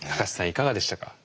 いかがでしたか？